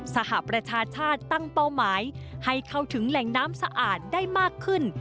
สหประชาชาติตั้งเป้าหมายให้เข้าถึงแหล่งน้ำสะอาดได้มากขึ้น